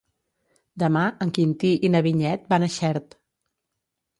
Demà en Quintí i na Vinyet van a Xert.